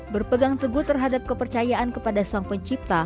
berpegang teguh terhadap kepercayaan kepada sang pencipta